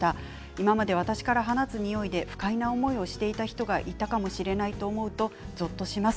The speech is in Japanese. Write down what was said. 今まで私から放つにおいで不快な思いをしていた人がいたかもしれないと思うとぞっとします。